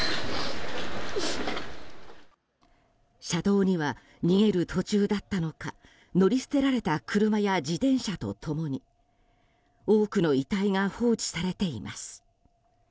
車道には逃げる途中だったのか乗り捨てられた車や自転車と共に多くの遺体が放置されています。